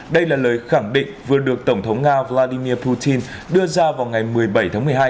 đây là lời khẳng định vừa được tổng thống nga vladimir putin đưa ra vào ngày một mươi bảy tháng một mươi hai